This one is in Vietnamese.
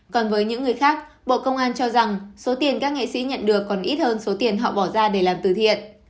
còn với những người khác bộ công an cho rằng số tiền các nghệ sĩ nhận được còn ít hơn số tiền họ bỏ ra để làm từ thiện